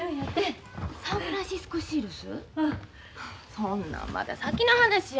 そんなんまだ先の話やないの。